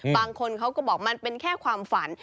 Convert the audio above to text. บางคนเขาก็บอกมันเป็นแค่ความฝัน